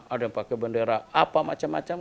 ada yang pakai bendera apa macam macam